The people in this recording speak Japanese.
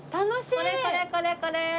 これこれこれこれ。